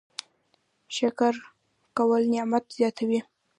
شکر کول نعمت زیاتوي